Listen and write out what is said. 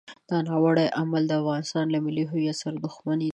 دا ناوړه عمل د افغانستان له ملي هویت سره دښمني ده.